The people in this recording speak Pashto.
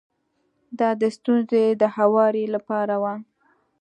دا د ستونزې د هواري لپاره و.